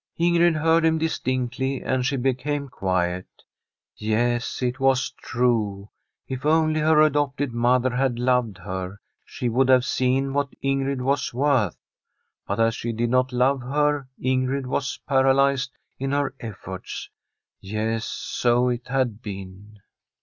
Ingrid heard him distinctly and she became quiet. Yes, it was true. If only her adopted mother had loved her, she would have seen what Ingrid was worth. But as she did not love her, Ingrid was paralyzed in her efforts. Yes, so it had been.